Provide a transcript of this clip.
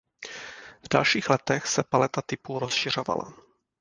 V dalších letech se paleta typů rozšiřovala.